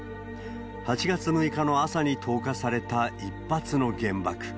８月６日の朝に投下された１発の原爆。